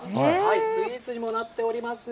スイーツにもなっております。